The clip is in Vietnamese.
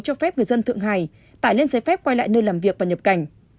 cho phép người dân thượng hải tải lên giấy phép quay lại nơi làm việc và nhập cảnh